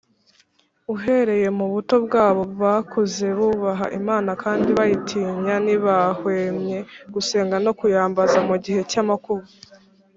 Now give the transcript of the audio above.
uhereye mu buto bwabo bakuze bubaha Imana kandi bayitinya ntibahwemye gusenga no kuyambaza mugihe cy’amakuba.